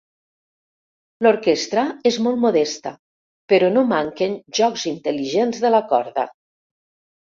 L'orquestra és molt modesta, però no manquen jocs intel·ligents de la corda.